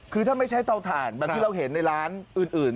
คือถ้าไม่ใช่เตาถ่านแบบที่เราเห็นในร้านอื่น